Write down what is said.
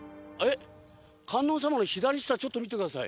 観音様の左下ちょっと見てください。